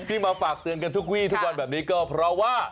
มาฝากเตือนกันทุกวีทุกวันแบบนี้ก็เพราะว่า